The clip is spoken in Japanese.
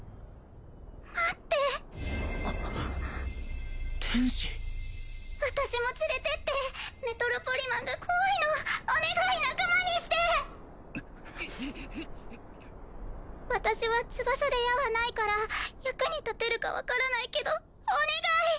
待って天使私も連れてってメトロポリマンが怖いのお願い仲間にして私は翼で矢はないから役に立てるか分からないけどお願い！